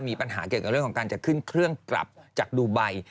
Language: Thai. มีปัญหาเกี่ยวกับเรื่องของการจะขึ้นเครื่องกลับจากดูไบ